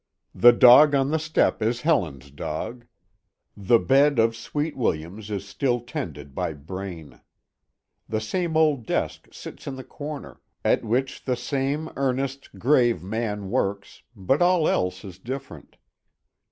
The dog on the step is Helen's dog. The bed of sweet williams is still tended by Braine. The same old desk sits in the corner, at which the same earnest, grave man works, but all else is different.